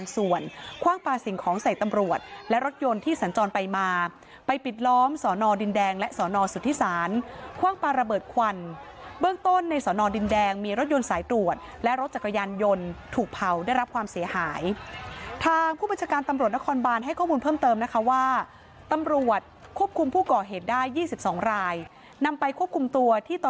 ส่วนคว่างปลาสิ่งของใส่ตำรวจและรถยนต์ที่สัญจรไปมาไปปิดล้อมสอนอดินแดงและสอนอสุทธิศาลคว่างปลาระเบิดควันเบื้องต้นในสอนอดินแดงมีรถยนต์สายตรวจและรถจักรยานยนต์ถูกเผาได้รับความเสียหายทางผู้บัญชาการตำรวจนครบานให้ข้อมูลเพิ่มเติมนะคะว่าตำรวจควบคุมผู้ก่อเหตุได้๒๒รายนำไปควบคุมตัวที่ต